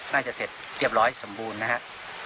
เสร็จเรียบร้อยสมบูรณ์นะครับ